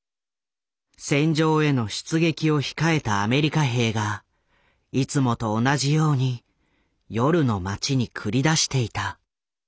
戦場への出撃を控えたアメリカ兵がいつもと同じように夜の街に繰り出していた。